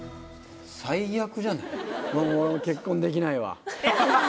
最悪じゃない俺もう結婚できないわ。